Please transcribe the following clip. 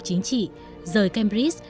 chính trị rời cambridge